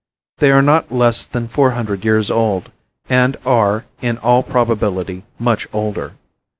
They are not less than four hundred years old and are, in all probability, much older.